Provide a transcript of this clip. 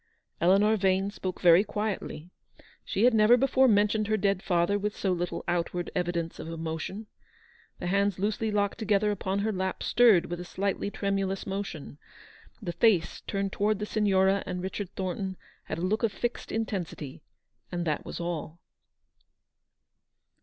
Eleanor Vane spoke very quietly. She had never before mentioned her dead father with so little outward evidence of emotion. The hands loosely locked together upon her lap stirred with a slightly tremulous motion; the face, turned towards the Signora and Richard Thornton, had a look of fixed intensity ; and that was all.